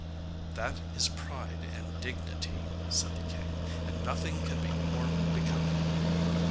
'That is pride and dignity,' said the king, 'and nothing can be more becoming.